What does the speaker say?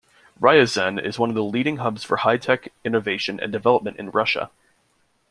Ryazan is one of the leading hubs for high-tech innovation and development in Russia.